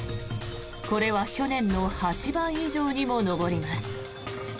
これは去年の８倍以上にも上ります。